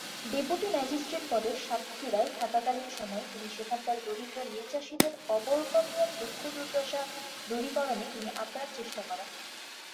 Deputy magistrate পদে সাতক্ষীরায় থাকাকালীন সময়ে তিনি সেখানকার দরিদ্র নীল চাষীদের অবর্ণনীয় দুঃখ দুর্দশা দূরীকরণে তিনি আপ্রাণ চেষ্টা করেন।